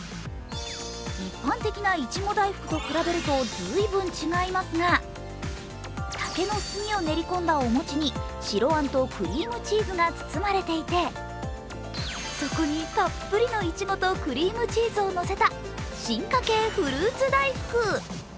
一般的ないちご大福と比べると随分違いますが竹の炭を練り込んだお餅に白あんとクリームチーズが包まれていてそこにたっぷりのいちごとクリームチーズをのせた、進化系フルーツ大福。